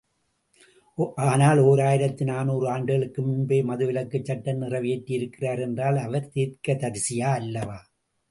ஆனால் ஓர் ஆயிரத்து நாநூறு ஆண்டுகளுக்கு முன்பே மது விலக்குச் சட்டம் நிறைவேற்றியிருக்கிறார் என்றால், அவர் தீர்க்கதரிசியா அல்லவா?